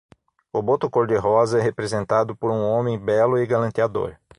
O boto-cor-de-rosa é representado por um homem belo e galanteador